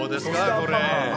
これ。